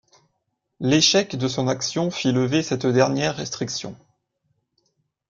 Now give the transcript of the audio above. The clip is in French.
L'échec de son action fit lever cette dernière restriction.